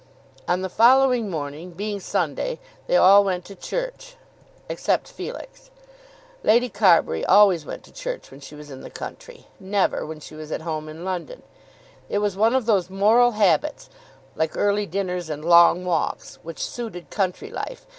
On the following morning, being Sunday, they all went to church, except Felix. Lady Carbury always went to church when she was in the country, never when she was at home in London. It was one of those moral habits, like early dinners and long walks, which suited country life.